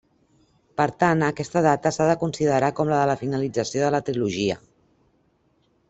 Per tant, aquesta data s'ha de considerar com la de la finalització de la trilogia.